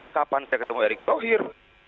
kapan saya ketemu erick thohir